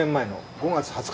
５月２０日。